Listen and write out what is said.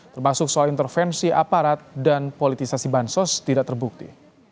termasuk soal intervensi aparat dan politisasi bansos tidak terbukti